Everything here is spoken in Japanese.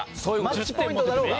マッチポイントだろうが。